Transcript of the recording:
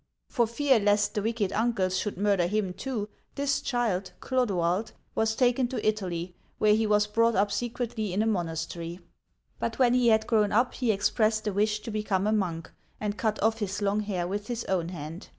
For fear lest the wicked uncles should murder him too, this child (Clodoald) was taken to Italy, where he was brought up secretly in a monastery. But when he had grown up, he expressed a wish to become a monk, and cut off his long hair with his own hand.